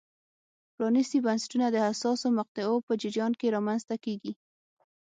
پرانیستي بنسټونه د حساسو مقطعو په جریان کې رامنځته کېږي.